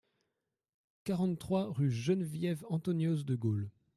quarante-trois rue Geneviève Anthonioz-de Gaulle